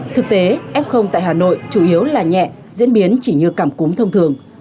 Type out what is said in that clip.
thực tế f tại hà nội chủ yếu là nhẹ diễn biến chỉ như cảm cúm thông thường